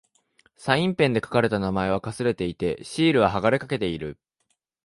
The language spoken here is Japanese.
サインペンで書かれた名前は掠れていて、シールは剥がれかけている。